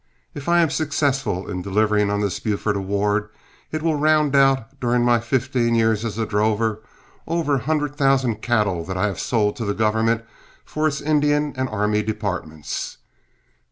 If I am successful in delivering on this Buford award, it will round out, during my fifteen years as a drover, over a hundred thousand cattle that I have sold to the government for its Indian and army departments.